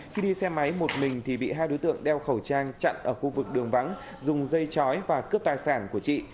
khi đi xe máy một mình thì bị hai đối tượng đeo khẩu trang chặn ở khu vực đường vắng dùng dây chói và cướp tài sản của chị